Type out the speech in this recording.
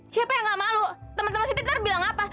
siapa yang gak malu temen temen siti ntar bilang apa